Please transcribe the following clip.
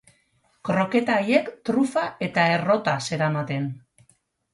Kroketa haiek trufa eta errota zeramaten.